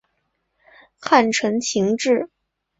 汉承秦制。